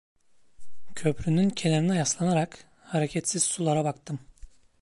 Köprünün kenarına yaslanarak hareketsiz sulara baktım.